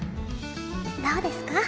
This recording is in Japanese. どうですか？